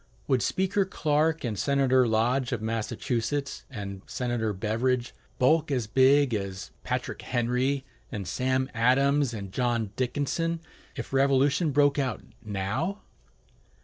Would Speaker Clark and Senator Lodge of Massachusetts, and Senator Beveridge bulk as big as Patrick Henry and Sam Adams and John Dickinson, if revolution broke out now?